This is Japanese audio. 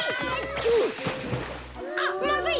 とう！あっまずい！